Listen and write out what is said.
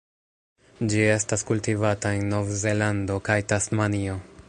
Ĝi estas kultivata en Novzelando kaj Tasmanio.